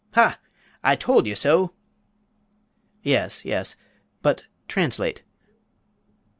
ha! I told you so." "Yes, yes but translate."